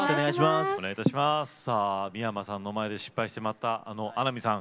三山さんの前で失敗してしまった、穴見さん。